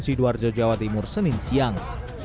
sidoarjo jawa timur senin siang